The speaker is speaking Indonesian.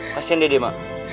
kasian dede mak